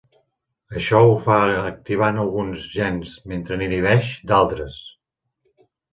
Això ho fa activant alguns gens mentre n'inhibeix d'altres.